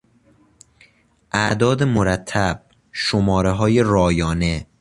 اعداد مرتب، شمارههای رایانه